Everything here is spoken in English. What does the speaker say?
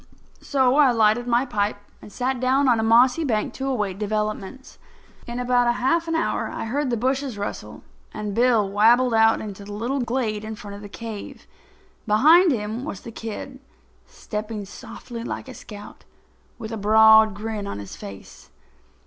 So I lighted my pipe and sat down on a mossy bank to await developments. In about half an hour I heard the bushes rustle, and Bill wabbled out into the little glade in front of the cave. Behind him was the kid, stepping softly like a scout, with a broad grin on his face.